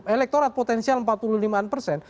elektorat potensial empat puluh lima an persen